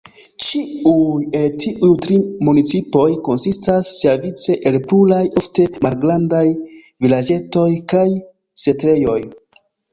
Ĉiuj el tiuj tri municipoj konsistas siavice el pluraj ofte malgrandaj vilaĝetoj kaj setlejoj.